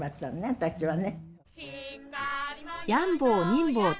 私はね。